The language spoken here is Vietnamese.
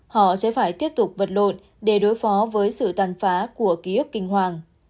họ sẽ phải tiếp tục vật lộn để đối phó với sự tàn phá của ký ức kinh hoàng